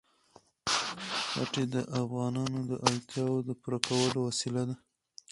ښتې د افغانانو د اړتیاوو د پوره کولو وسیله ده.